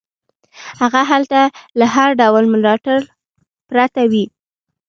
هغه هلته له هر ډول ملاتړ پرته وي.